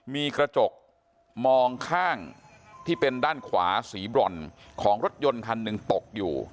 มีกระจกมองข้างที่เป็นด้านขวาสีบรอนของรถยนต์คันหนึ่งตกอยู่